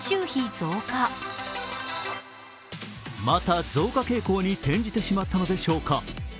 また増加傾向に転じてしまったのでしょうか。